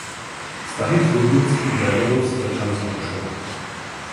Vztahy s burgundským vévodou se začaly zhoršovat.